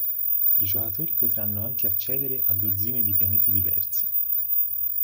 I giocatori potranno anche accedere a dozzine di pianeti diversi.